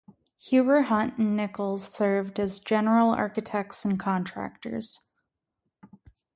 Huber Hunt and Nicols served as general architects and contractors.